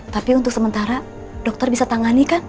tapi untuk sementara dokter bisa tanganikan